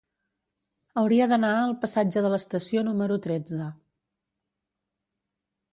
Hauria d'anar al passatge de l'Estació número tretze.